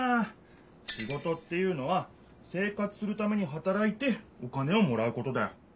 「仕事」っていうのは「生活するためにはたらいてお金をもらうこと」だよ。